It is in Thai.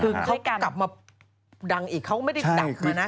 คือเขากลับมาดังอีกเขาก็ไม่ได้ดับมานะ